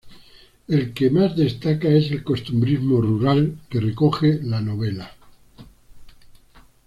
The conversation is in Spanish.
El que más destaca es el costumbrismo rural que recoge la novela.